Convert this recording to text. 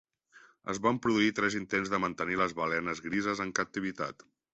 Es van produir tres intents de mantenir les balenes grises en captivitat.